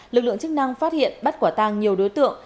lực lượng chức năng phát hiện bắt quả tàng nhiều đối tượng